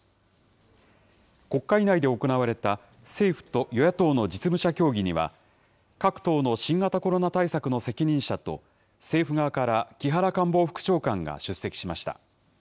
国会内で行われた政府と与野党の実務者協議には、各党の新型コロナ対策の責任者と、政府側から木原官房副長官が出席しました。